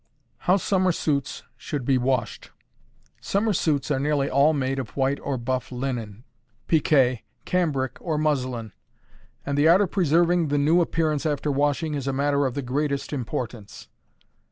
How Summer Suits should be Washed. Summer suits are nearly all made of white or buff linen, pique, cambric, or muslin, and the art of preserving the new appearance after washing is a matter of the greatest importance.